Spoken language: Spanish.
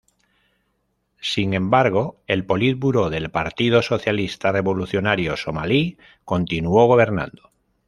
Sin embargo, el politburó del Partido Socialista Revolucionario Somalí continuó gobernando.